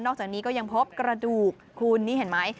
จากนี้ก็ยังพบกระดูกคุณนี่เห็นไหม